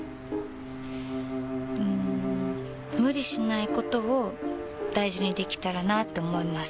うん無理しないことを大事にできたらなって思います。